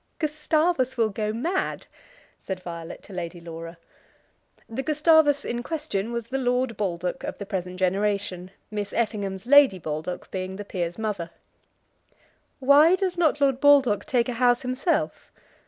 "Gustavus will go mad," said Violet to Lady Laura. The Gustavus in question was the Lord Baldock of the present generation, Miss Effingham's Lady Baldock being the peer's mother. "Why does not Lord Baldock take a house himself?"